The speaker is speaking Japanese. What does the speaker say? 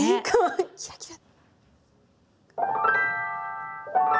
キラキラ。